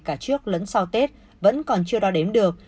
cả trước lẫn sau tết vẫn còn chưa đo đếm được